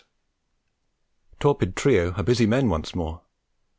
Torpid trio are busy men once more.